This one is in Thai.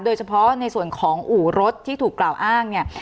โดยเฉพาะในส่วนของอู่รถที่ถูกกล่าวอ้างเนี่ย